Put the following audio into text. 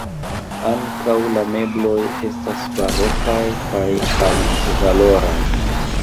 Ankaŭ la mebloj estas barokaj kaj altvaloraj.